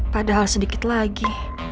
padahal sedikit lagi